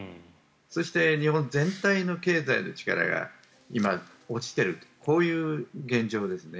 そして、日本全体の経済の力が今、落ちているとこういう現状ですね。